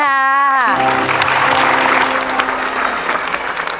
สวัสดีค่ะ